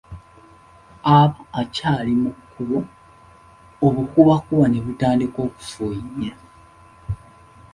Aba akyali mu kkubo, obukubakuba ne butandika okufuuyirira.